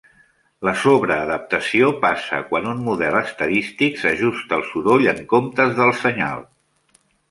La sobreadaptació passa quan un model estadístic s'ajusta al soroll en comptes de al senyal.